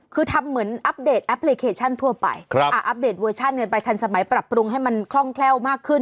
คือทำเหมือนอัปเดตแอปพลิเคชันทั่วไปอัปเดตเวอร์ชันกันไปทันสมัยปรับปรุงให้มันคล่องแคล่วมากขึ้น